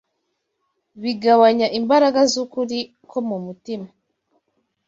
bigabanya imbaraga z’ukuri ko mu mutima.